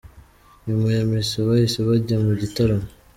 Nyuma ya Misa bahise bajya mu gitaramo.